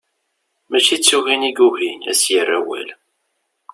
Mačči d tugin i yugi ad as-yerrawal.